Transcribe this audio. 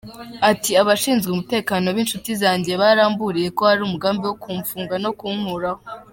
Ati“ Abashinzwe umutekano b’inshuti zanjye baramburiye ko hari umugambi wo kumfunga no kunkuraho.